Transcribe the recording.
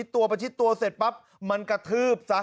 ตัวประชิดตัวเสร็จปั๊บมันกระทืบซะ